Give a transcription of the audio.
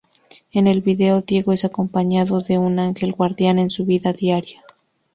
En el video, Diego es acompañado de un ángel guardián en su vida diaria.